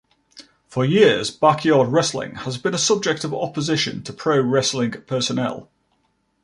For years, backyard wrestling has been a subject of opposition to pro wrestling personnel.